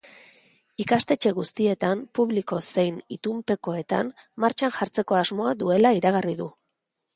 Ikastetxe guztietan, publiko zein itunpekoetan, martxan jartzeko asmoa duela iragarri du.